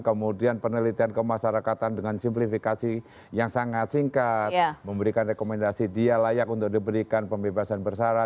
kemudian penelitian kemasyarakatan dengan simplifikasi yang sangat singkat memberikan rekomendasi dia layak untuk diberikan pembebasan bersara